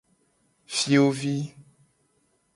Fiovi.